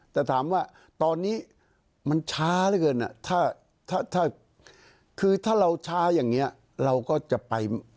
แต่ถามว่าตอนนี้มันช้าเหลือเกินถ้าคือถ้าเราช้าอย่างนี้เราก็จะไป